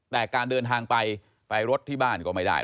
แต่การเดินทางไปไปรถที่บ้านก็ไม่ได้